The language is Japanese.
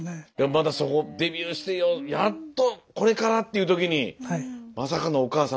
まだそこデビューしてやっとこれからっていう時にまさかのお母様が布団をかぶって。